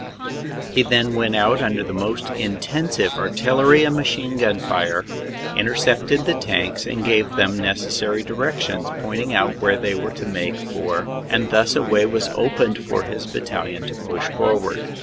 He then went out under the most intensive artillery and machine gun fire, intercepted the tanks, and gave them neces sary directions, pointing out where they were to make for and thus a way was opened for his battalion to push forward.